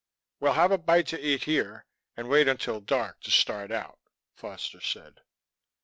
"We'll have a bite to eat here, and wait until dark to start out," Foster said.